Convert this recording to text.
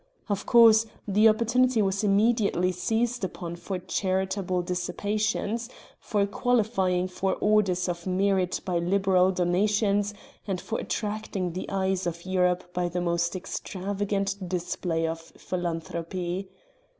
Of course the opportunity was immediately seized upon for charitable dissipations, for qualifying for Orders of Merit by liberal donations, and for attracting the eyes of Europe by the most extravagant display of philanthropy.